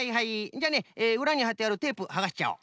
じゃあねうらにはってあるテープはがしちゃおう。